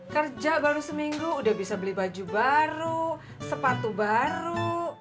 kerja baru seminggu udah bisa beli baju baru sepatu baru